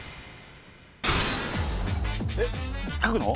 えっ？書くの？